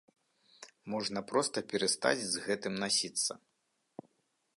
Можна проста перастаць з гэтым насіцца.